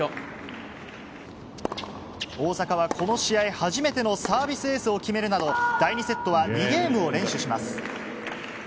大坂はこの試合初めてのサービスエースを決めるなど、第２セットは２ゲームを連取します。